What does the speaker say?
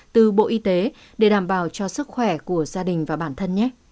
từ bộ y tế để đảm bảo cho sức khỏe của gia đình và bản thân nhé